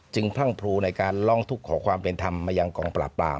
พรั่งพลูในการร้องทุกข์ขอความเป็นธรรมมายังกองปราบปราม